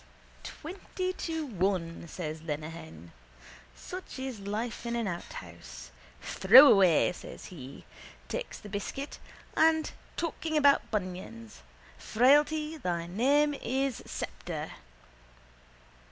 —Twenty to one, says Lenehan. Such is life in an outhouse. Throwaway, says he. Takes the biscuit, and talking about bunions. Frailty, thy name is _Sceptre.